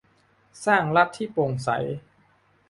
สร้างรัฐที่โปร่งใส